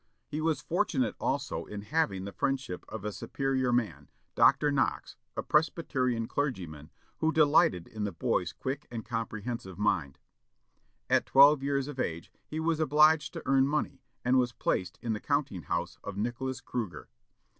He was fortunate also in having the friendship of a superior man, Dr. Knox, a Presbyterian clergyman, who delighted in the boy's quick and comprehensive mind. At twelve years of age he was obliged to earn money, and was placed in the counting house of Nicholas Cruger.